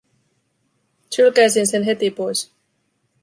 Sylkäisin sen heti pois.